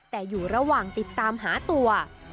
แต่อยู่ระหว่างติดตามหาตัว